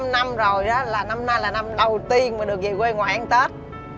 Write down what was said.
hai mươi năm năm rồi năm nay là năm đầu tiên mà được về quê ngoại ăn tết